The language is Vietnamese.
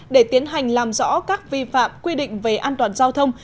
để tiến hành làm rõ các vi phạm quy định về an toàn giao thông